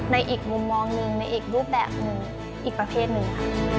ในอีกมุมมองหนึ่งในอีกรูปแบบหนึ่งอีกประเภทหนึ่งค่ะ